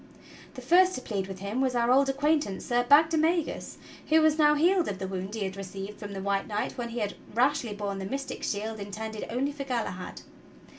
The first to plead with him was our old acquaintance Sir Bag demagus, who was now healed of the wound he had received from the White Knight when he had rashly borne the mystic shield in tended only for Galahad.